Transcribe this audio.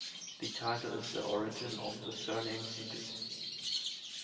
The title is the origin of the surname Situ.